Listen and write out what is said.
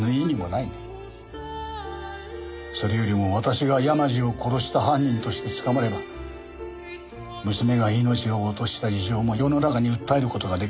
それよりも私が山路を殺した犯人として捕まれば娘が命を落とした事情も世の中に訴える事が出来る。